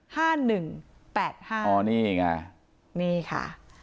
ห้าหนึ่งแปดห้านี่ไงนี่คะ